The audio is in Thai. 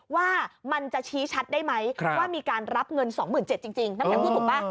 ว่ามันจะชี้ชัดได้ไหมว่ามีการรับเงิน๒๗๐๐จริงน้ำแข็งพูดถูกป่ะ